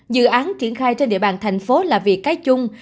dự án triển khai trên địa bàn thành phố là việc cái chung